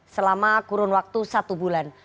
selama kurun waktu satu bulan